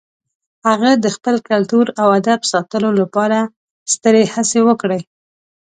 هغه د خپل کلتور او ادب ساتلو لپاره سترې هڅې وکړې.